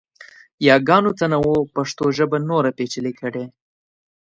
یاګانو تنوع پښتو ژبه نوره پیچلې کړې.